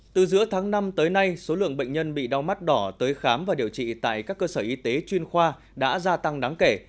từ giữa tháng năm tới nay số lượng bệnh nhân bị đau mắt đỏ tới khám và điều trị tại các cơ sở y tế chuyên khoa đã gia tăng đáng kể